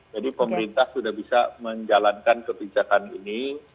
jadi pemerintah sudah bisa menjalankan kebijakan ini